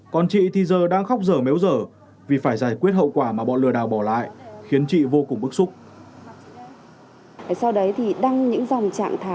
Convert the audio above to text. còn chị thì giờ đang khóc dở méo dở vì phải giải quyết hậu quả mà bọn lừa đảo bỏ lại khiến chị vô cùng bức xúc